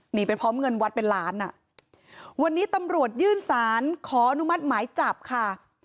หนีไปพร้อมเงินวัดเป็นล้านอ่ะวันนี้ตำรวจยื่นสารขออนุมัติหมายจับค่ะ